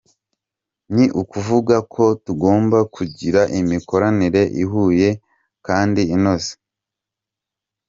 Ni ukuvuga ko tugomba kugira imikoranire ihuye kandi inoze”.